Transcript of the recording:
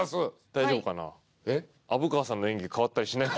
大丈夫かな？え？